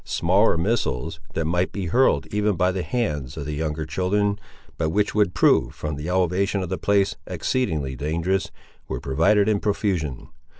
Smaller missiles, that might be hurled even by the hands of the younger children, but which would prove, from the elevation of the place, exceedingly dangerous, were provided in profusion.